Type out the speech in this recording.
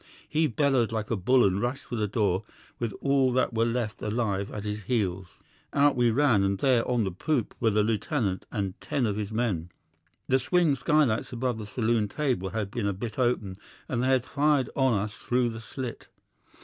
He bellowed like a bull and rushed for the door with all that were left alive at his heels. Out we ran, and there on the poop were the lieutenant and ten of his men. The swing skylights above the saloon table had been a bit open, and they had fired on us through the slit.